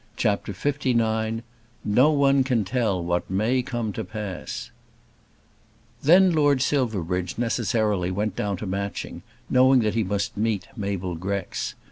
CHAPTER LIX No One Can Tell What May Come to Pass Then Lord Silverbridge necessarily went down to Matching, knowing that he must meet Mabel Grex.